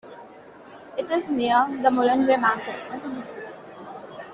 It is near the Mulanje Massif.